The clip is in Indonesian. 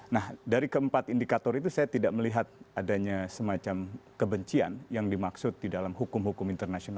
nah dari keempat indikator itu saya tidak melihat adanya semacam kebencian yang dimaksud di dalam hukum hukum internasional